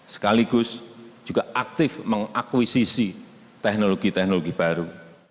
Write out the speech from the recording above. sekaligus juga aktif mengakuisisi teknologi teknologi baru